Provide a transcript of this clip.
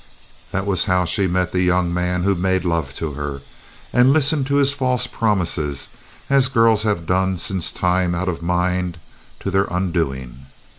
That was how she met the young man who made love to her, and listened to his false promises, as girls have done since time out of mind to their undoing.